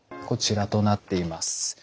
こちらとなっています。